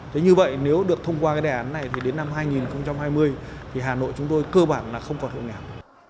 thế như vậy nếu được thông qua cái đề án này thì đến năm hai nghìn hai mươi thì hà nội chúng tôi cơ bản là không còn hộ nghèo